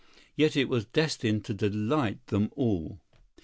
Yet it was destined to delight them all.